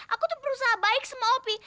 aku tuh berusaha baik sama opi